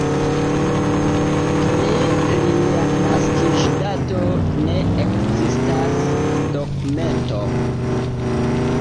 Pri lia naskiĝdato ne ekzistas dokumento.